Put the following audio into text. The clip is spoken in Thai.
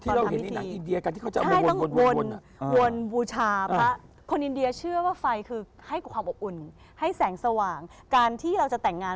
ที่เราเห็นอย่างอินเดียกันที่เค้าวนวนวน